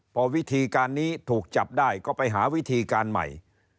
พอวิธีการนี้ถูกจับได้ก็ไปหาวิธีการใหม่